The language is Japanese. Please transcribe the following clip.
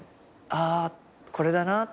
あこれだな。